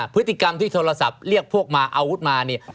พฤติกรรมที่โทรศัพท์เรียกพวกมาอาวุธมาเนี่ย